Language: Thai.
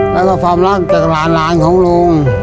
และก็ฟับรักจากหลานของลุง